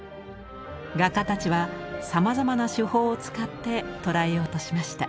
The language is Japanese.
画家たちはさまざまな手法を使って捉えようとしました。